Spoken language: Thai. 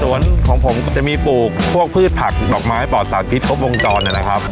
ส่วนของผมจะมีปลูกพวกพืชผักดอกไม้ปลอดสารพิษครบวงจรนะครับ